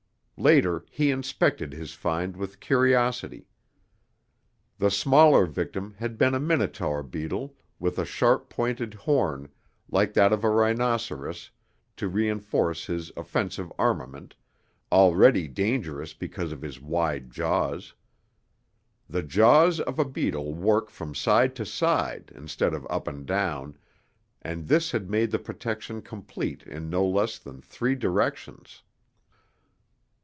Later, he inspected his find with curiosity. The smaller victim had been a minotaur beetle, with a sharp pointed horn like that of a rhinoceros to reinforce his offensive armament, already dangerous because of his wide jaws. The jaws of a beetle work from side to side, instead of up and down, and this had made the protection complete in no less than three directions.